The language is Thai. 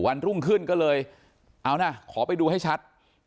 วันรุ่งขึ้นก็เลยเอานะขอไปดูให้ชัด